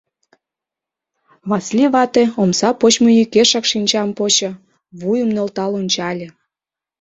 Васлий вате омса почмо йӱкешак шинчам почо, вуйым нӧлтал ончале.